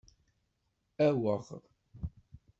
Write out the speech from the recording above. Aweɣ!